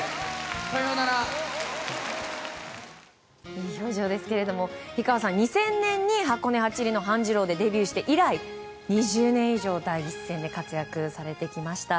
いい表情ですが氷川さん、２０００年に「箱根八里の半次郎」でデビューして以来２０年以上第一線で活躍されてきました。